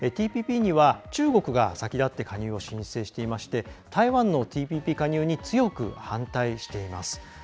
ＴＰＰには中国が先立って加入を申請していまして台湾のＴＰＰ加入に強く反対しています。